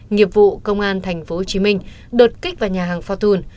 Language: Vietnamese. nghiệp vụ công an tp hcm đột kích vào nhà hàng fortune